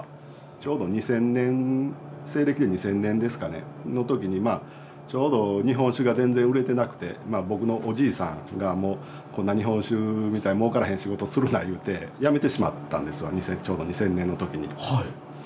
ちょうど２０００年西暦２０００年ですかねの時にまあちょうど日本酒が全然売れてなくて僕のおじいさんが「こんな日本酒みたいにもうからへん仕事するな」言うてやめてしまったんですわちょうど２０００年の時に。